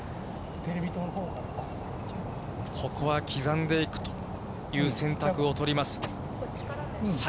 ここは刻んでいくという選択を取ります。